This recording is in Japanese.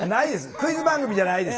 クイズ番組じゃないです。